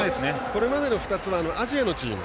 これまでの２つはアジアのチーム。